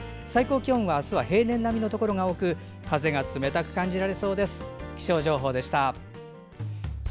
最高気温、あすは平年並みのところが多く風が冷たく感じられそうです。